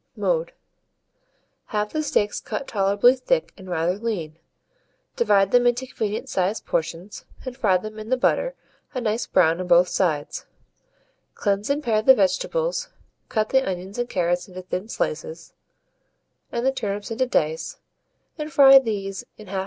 Mode. Have the steaks cut tolerably thick and rather lean; divide them into convenient sized pieces, and fry them in the butter a nice brown on both sides. Cleanse and pare the vegetables, cut the onions and carrots into thin slices, and the turnips into dice, and fry these in the same fat that the steaks were done in.